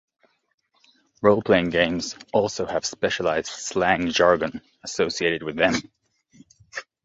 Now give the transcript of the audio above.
Role-playing games also have specialized slang jargon associated with them.